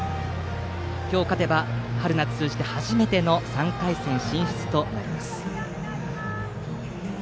今日、勝てば春夏通じて初めての３回戦進出となります。